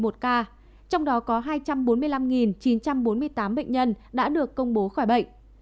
trong đó có hai trăm bốn mươi năm chín trăm bốn mươi tám bệnh nhân đã được công bố khỏi bệnh